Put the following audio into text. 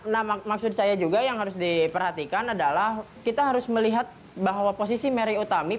nah maksud saya juga yang harus diperhatikan adalah kita harus melihat bahwa posisi mary utami